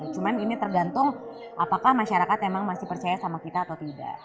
cuma ini tergantung apakah masyarakat memang masih percaya sama kita atau tidak